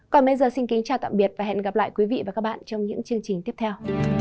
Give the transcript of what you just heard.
còn bây giờ xin kính chào tạm biệt và hẹn gặp lại quý vị và các bạn trong những chương trình tiếp theo